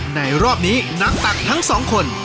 ในรอบนี้น้ำตักทั้งสองคน